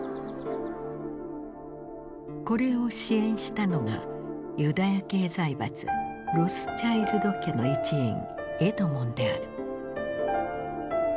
これを支援したのがユダヤ系財閥ロスチャイルド家の一員エドモンである。